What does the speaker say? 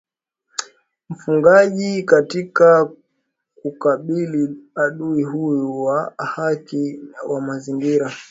mfugaji katika kukabili adui huyu wa haki wa Mazingira